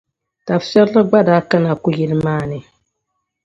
Tafirili gba daa kana ku'yili maa ni.